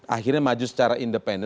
akhirnya maju secara independen